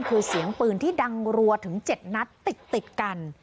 คือเสียงปืนที่ดังรัวถึง๗นัดติดกัน